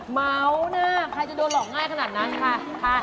เมานะใครจะโดนหลอกง่ายขนาดนั้นค่ะ